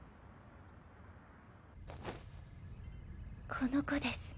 この子です。